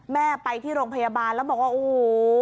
แม่ไปที่โรงพยาบาลแล้วบอกว่าโอ้โห